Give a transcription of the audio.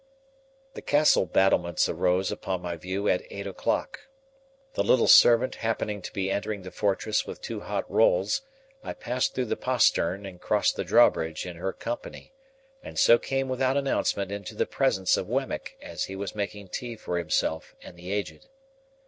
The Castle battlements arose upon my view at eight o'clock. The little servant happening to be entering the fortress with two hot rolls, I passed through the postern and crossed the drawbridge in her company, and so came without announcement into the presence of Wemmick as he was making tea for himself and the Aged.